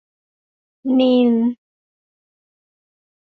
นีล